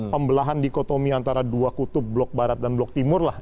pembelahan dikotomi antara dua kutub blok barat dan blok timur lah